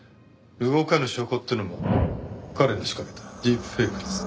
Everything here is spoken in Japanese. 動かぬ証拠ってのも彼の仕掛けたディープフェイクです。